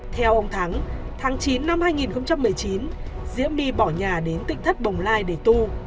theo ông thắng tháng chín năm hai nghìn một mươi chín diễm my bỏ nhà đến tỉnh thất bồng lai để tu